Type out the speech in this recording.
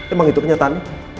emang itu kenyataan